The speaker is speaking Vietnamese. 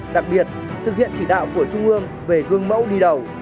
đặc biệt thực hiện chỉ đạo của trung ương về gương mẫu đi đầu